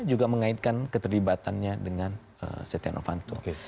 juga mengaitkan keterlibatannya dengan setiano panto